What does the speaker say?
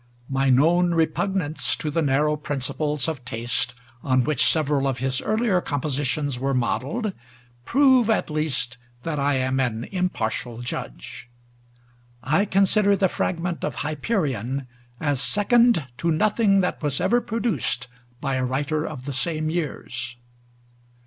My known repugnance to the narrow principles of taste on which several of his earlier compositions were modelled prove, at least, that I am an impartial judge. I consider the fragment of Hyperion as second to nothing that was ever produced by a writer of the same years.